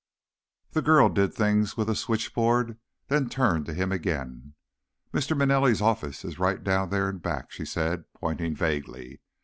The girl did things with a switchboard, then turned to him again. "Mr. Manelli's office is right down there in back," she said, pointing vaguely.